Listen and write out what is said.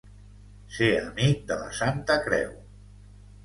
Ser amic de la Santa Creu.